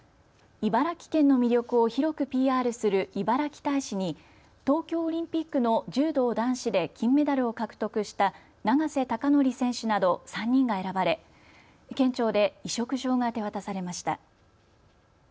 茨城県の魅力を広くＰＲするいばらき大使に東京オリンピックの柔道男子で金メダルを獲得した永瀬貴規選手など３人が選ばれ、県庁で委嘱状が手渡されました。